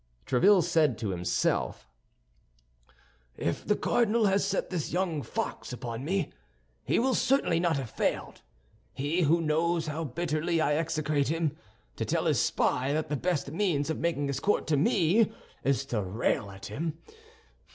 Tréville said to himself: "If the cardinal has set this young fox upon me, he will certainly not have failed—he, who knows how bitterly I execrate him—to tell his spy that the best means of making his court to me is to rail at him.